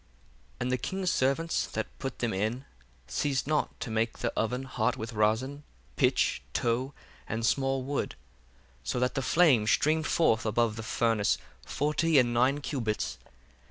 23 And the king's servants, that put them in, ceased not to make the oven hot with rosin, pitch, tow, and small wood; 24 So that the flame streamed forth above the furnace forty and nine cubits.